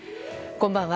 こんばんは。